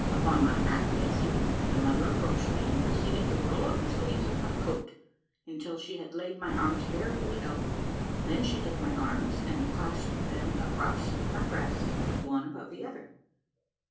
Upon my acquiescing, the mother approached me and proceeded to roll up the sleeves of my coat until she had laid my arms bare to the elbow, then she took my arms and clasped them across my breast one above the other.